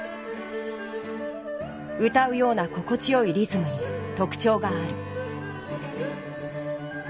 歌うような心地よいリズムにとくちょうがある。